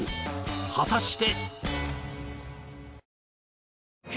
果たして？